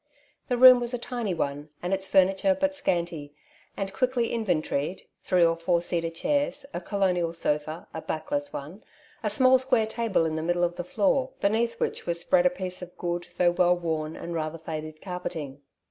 The room was a tiny one, and its furniture but. scanty, and quickly inventoried— three or four cedar chairs, a colonial sofa — a backless one — a small square table in the middle of the floor, beneath which was spread a piece of good, though well worn and rather faded carpeting.